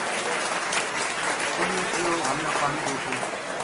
اُنھ نے کہیو:” ہمنا پانی دے چھڑ